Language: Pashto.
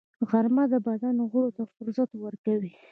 غرمه د بدن غړو ته فرصت ورکوي